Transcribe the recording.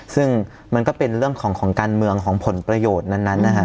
ซึ่งมันก็เป็นเรื่องของการเมืองของผลประโยชน์นั้นนะฮะ